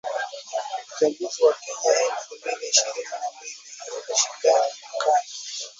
Uchaguzi wa Kenya elfu mbili ishirini na mbili : ushindani mkali